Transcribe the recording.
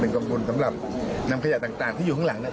เป็นกล่องบุญสำหรับนำขยะต่างที่อยู่ข้างหลังนะครับ